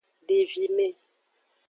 Devime.